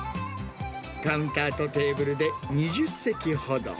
カウンターとテーブルで２０席ほど。